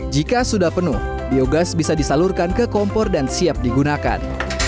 jika sudah penuh biogas bisa disalurkan ke kompor dan siap digunakan